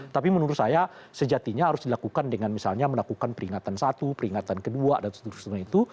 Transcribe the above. tapi menurut saya sejatinya harus dilakukan dengan misalnya melakukan peringatan satu peringatan kedua dan seterusnya itu